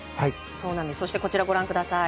そしてこちらご覧ください。